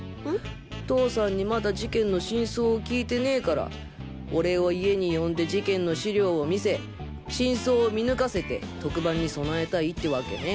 父さんにまだ事件の真相を聞いてねぇから俺を家に呼んで事件の資料を見せ真相を見抜かせて特番に備えたいってワケね。